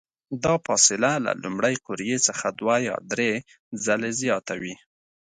دا فاصله له لومړۍ قوریې څخه دوه یا درې ځلې زیاته وي.